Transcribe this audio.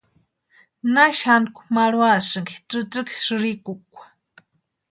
¿Na xanku marhuasïnki tsïtsïki sïrikukwa?